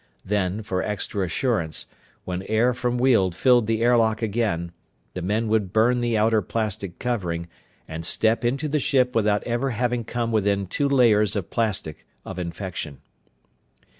Then, for extra assurance, when air from Weald filled the airlock again, the men would burn the outer plastic covering and step into the ship without ever having come within two layers of plastic of infection.